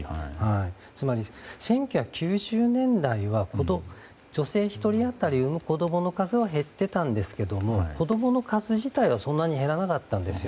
つまり１９９０年代は女性１人当たり、産む子供の数は減っていたんですが子供の数自体はそんなに減らなかったんですよ。